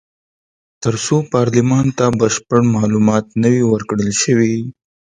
تر څو پارلمان ته بشپړ معلومات نه وي ورکړل شوي.